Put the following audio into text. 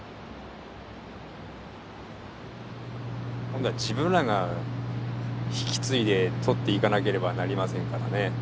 今度は自分らが引き継いで獲っていかなければなりませんからね。